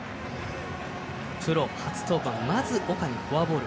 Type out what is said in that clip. プロ初登板まず岡にフォアボール。